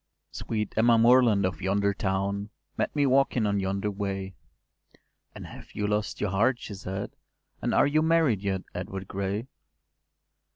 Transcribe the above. Sweet Emma Moreland of yonder town Met me walking on yonder way, “And have you lost your heart?” she said; “And are you married yet, Edward Gray?